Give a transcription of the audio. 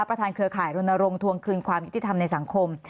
เครือข่ายรณรงค์ทวงคืนความยุติธรรมในสังคม